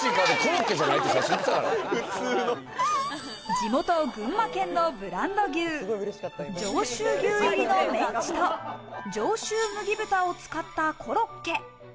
地元群馬県のブランド牛・上州牛入りのメンチと、上州麦豚を使ったコロッケ。